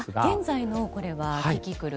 現在のキキクル